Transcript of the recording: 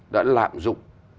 đã lạm dụng